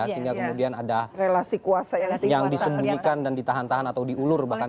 sehingga kemudian ada relasi kuasa yang disembunyikan dan ditahan tahan atau diulur